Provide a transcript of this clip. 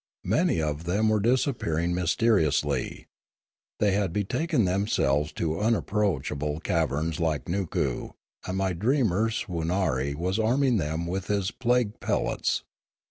Many of them were disappearing myster iously. They had betaken themselves to unapproach able caverns like Nookoo, and my dreamer of Swoonarie was arming them with his plague pellets.